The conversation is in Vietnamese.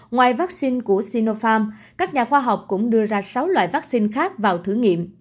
ngoài vaccine của sinopharm các nhà khoa học cũng đưa ra sáu loại vaccine khác vào thử nghiệm